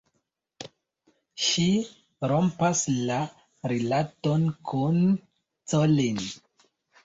Ŝi rompas la rilaton kun Colin.